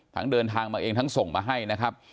เดินทางมาเองทั้งส่งมาให้นะครับ